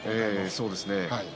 そうですね。